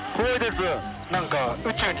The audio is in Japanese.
何か。